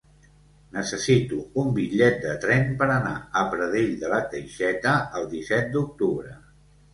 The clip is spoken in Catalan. Necessito un bitllet de tren per anar a Pradell de la Teixeta el disset d'octubre.